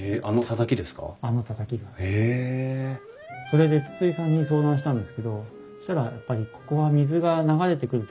それで筒井さんに相談したんですけどそしたらやっぱり水が流れてくる？